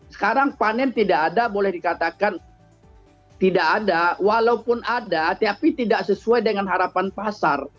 sekarang panen tidak ada boleh dikatakan tidak ada walaupun ada tapi tidak sesuai dengan harapan pasar